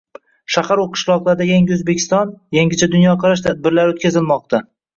Shaharu qishloqlarda “Yangi O‘zbekiston – yangicha dunyoqarash” tadbirlari o‘tkazilmoqda